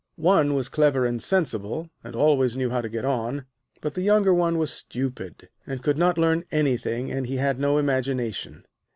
One was clever and sensible, and always knew how to get on. But the younger one was stupid, and could not learn anything, and he had no imagination.